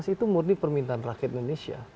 itu murni permintaan rakyat indonesia